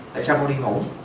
tại sao không đi ngủ